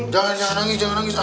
jangan jangan nangis jangan nangis